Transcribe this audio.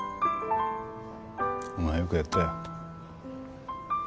お前はよくやったよ。